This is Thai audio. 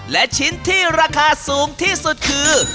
และชิ้นที่ราคาสูงที่สุดคือ